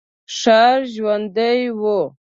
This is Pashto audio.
ښار ژوندی و.